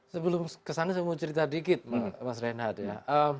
sebelum kesana saya mau cerita dikit mas reinhardt ya